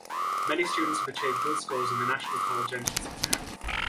Many students have achieved good scores in the national college entrance exam.